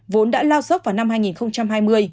vốn đã lao dốc vào năm hai nghìn hai mươi